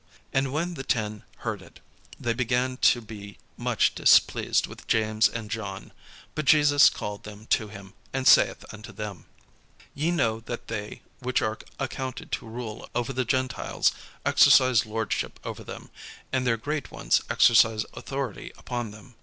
And when the ten heard it, they began to be much displeased with James and John. But Jesus called them to him, and saith unto them: "Ye know that they which are accounted to rule over the Gentiles exercise lordship over them; and their great ones exercise authority upon them.